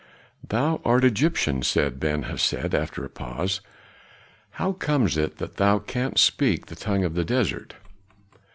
"Thou art Egyptian," said Ben Hesed after a pause. "How comes it that thou canst speak the tongue of the desert?"